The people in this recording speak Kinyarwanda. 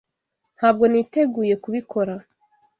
Ntabwo niteguye kubikora.